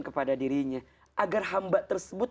kepada dirinya agar hamba tersebut